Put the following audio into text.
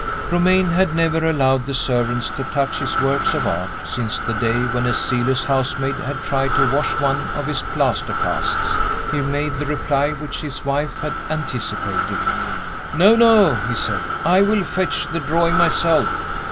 Romayne had never allowed the servants to touch his works of art, since the day when a zealous housemaid had tried to wash one of his plaster casts. He made the reply which his wife had anticipated. "No! no!" he said. "I will fetch the drawing myself."